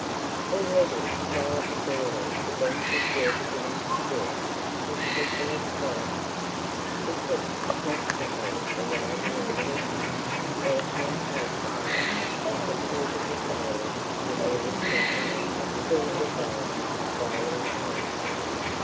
Already, while it was early, the benches were beginning to fill with people of quality, who kept constantly arriving in little carts or upon palfreys that curveted gaily to the merry tinkle of silver bells at bridle reins.